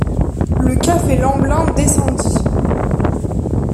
Le café Lemblin descendit.